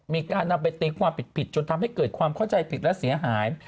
มีการนำไปตีความผิดจนทำให้เกิดความเข้าใจผิดและเสียหาย